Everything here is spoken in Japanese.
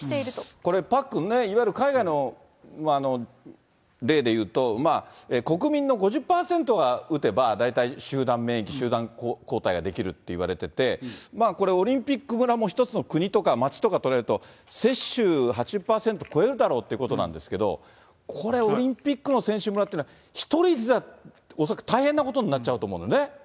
これ、パックンね、いわゆる海外の例でいうと、国民の５０％が打てば、大体、集団免疫、集団抗体が出来るって言われてて、これ、オリンピック村も一つの国とか町とか捉えると、接種８０％超えるだろうっていうことなんですけど、これオリンピックの選手村っていうのは、１人出たら恐らく大変なことになっちゃうと思うんだよね。